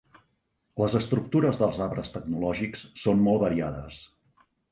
Les estructures dels arbres tecnològics són molt variades.